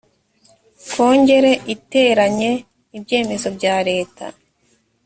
kongere iteranye ibyemezo bya leta